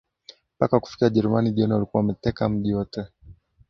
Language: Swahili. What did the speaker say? Mpaka kufikia Wajerumani jioni walikuwa wameteka mji wote